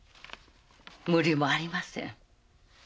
無理もありません。